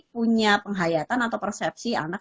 punya penghayatan atau persepsi anak